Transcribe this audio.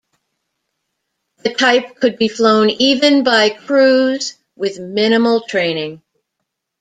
The type could be flown even by crews with minimal training.